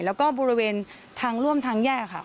แล้วก็บริเวณทางร่วมทางแยกค่ะ